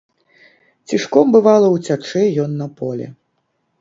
Цішком, бывала, уцячэ ён на поле.